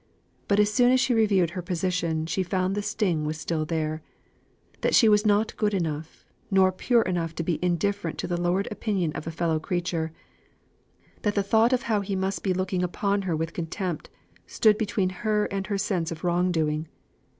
But as soon as she reviewed her position she found the sting was still there; that she was not good enough, nor pure enough to be indifferent to the lowered opinion of a fellow creature: that the thought of how he must be looking upon her with contempt, stood between her and her sense of wrong doing.